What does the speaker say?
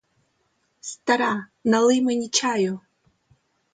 Стара, налий мені чаю.